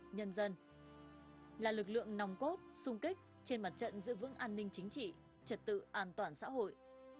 nhân dân là lực lượng nòng cốt sung kích trên mặt trận giữ vững an ninh chính trị trật tự an toàn xã hội